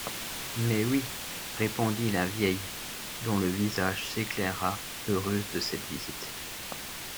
Mais oui, répondit la vieille dont le visage s’éclaira, heureuse de cette visite.